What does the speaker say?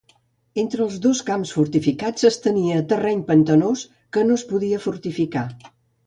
Entre els dos camps fortificats s'estenia terreny pantanós que no es podia fortificar.